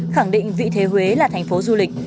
khẳng định vị thế huế là thành phố du lịch